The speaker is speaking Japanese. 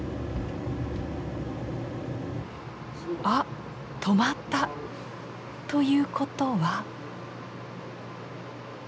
あ止まった！ということは？